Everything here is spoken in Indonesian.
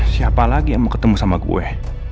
siapa lagi yang mau ketemu sama gue